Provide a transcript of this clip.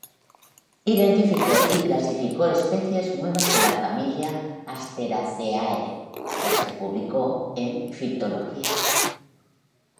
Identificó y clasificó especies nuevas de la familia Asteraceae, las que publicó en "Phytologia.